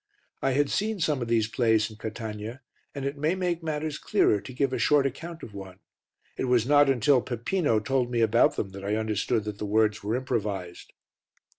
I had seen some of these plays in Catania, and it may make matters clearer to give a short account of one; it was not until Peppino told me about them that I understood that the words were improvised.